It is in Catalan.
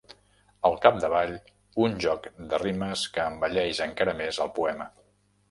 Al capdavall, un joc de rimes que embelleix encara més el poema.